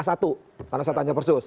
karena saya tanya persus